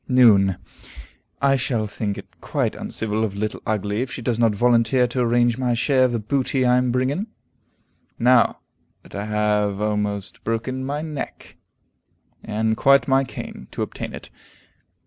Noon. "I shall think it quite uncivil of Little Ugly if she does not volunteer to arrange my share of the booty I am bringing, now that I have almost broken my neck, and quite my cane, to obtain it."